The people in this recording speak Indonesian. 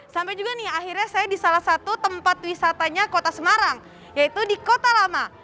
sampai juga nih akhirnya saya di salah satu tempat wisatanya kota semarang yaitu di kota lama